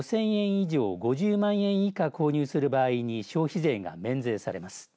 以上５０万円以下購入する場合に消費税が免税されます。